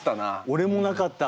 俺もなかった。